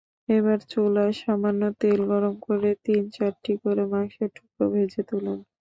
এবার চুলায় সামান্য তেল গরম করে তিন-চারটি করে মাংসের টুকরা ভেজে তুলুন।